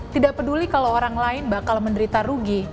tidak peduli kalau orang lain bakal menderita rugi